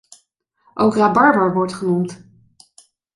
Ook rabarber wordt genoemd.